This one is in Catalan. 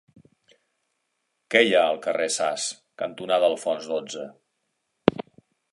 Què hi ha al carrer Sas cantonada Alfons dotze?